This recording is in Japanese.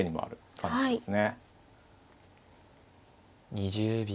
２０秒。